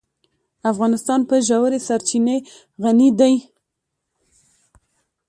افغانستان په ژورې سرچینې غني دی.